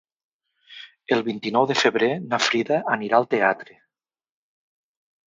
El vint-i-nou de febrer na Frida anirà al teatre.